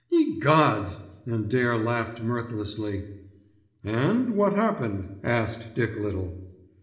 Ye gods!" and Dare laughed mirthlessly. "And what happened!" asked Dick Little.